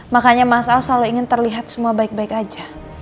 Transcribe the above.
makanya mas ahok selalu ingin terlihat semua baik baik aja